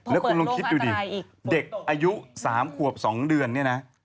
แล้วคุณลองคิดดูดิเด็กอายุ๓ขวบ๒เดือนเนี่ยนะ